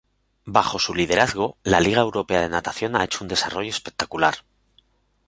Bajo su liderazgo, la Liga Europea de Natación ha hecho un desarrollo espectacular.